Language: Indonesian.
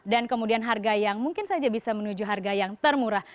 dan kemudian harga yang mungkin saja bisa menuju harga yang termurah